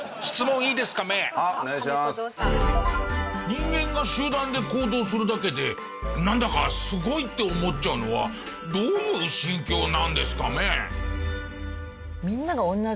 人間が集団で行動するだけでなんだかすごいって思っちゃうのはどういう心境なんですカメ？